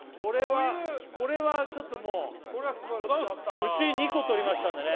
これはちょっともううち２個取りましたんでね